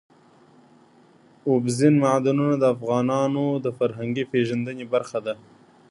اوبزین معدنونه د افغانانو د فرهنګي پیژندنې برخه ده.